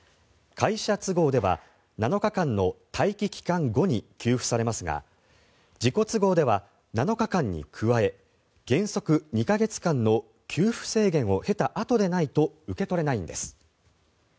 会社都合では７日間の待機期間後に給付されますが自己都合では、７日間に加え原則２か月間の給付制限を経たあとでないと受け取れないんです。